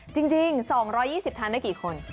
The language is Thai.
จริง๒๒๐ทานได้กี่คน